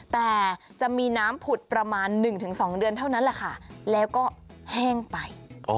แต่จะมีน้ำผุดประมาณ๑๒เดือนเท่านั้นแหละค่ะแล้วก็แห้งไป